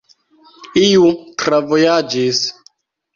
Iu travojaĝis.